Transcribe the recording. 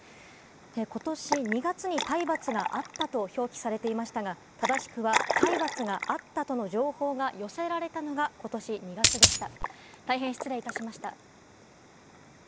今年２月に体罰があったと表記されていましたが、正しくは体罰があったとの情報が寄せられたのが今年２月でした。